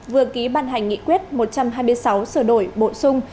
vừa ký ban hành nghị quyết một trăm hai mươi sáu sửa đổi bổ sung